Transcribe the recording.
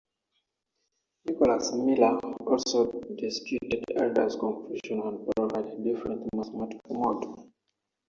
Nicholas Miller also disputed Allard's conclusion and provided a different mathematical model.